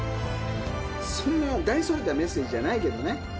そんな、大それたメッセージじゃないけどね。